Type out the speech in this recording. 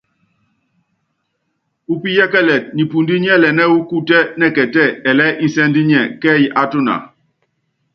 Upíyɛ́kɛlɛt nipundí niɛ́lɛnɛ́ wɔ́ kutɛ nɛkɛtɛ́ ɛlɛɛ́ insɛ́nd nyɛ kɛ́ɛ́y á tuna.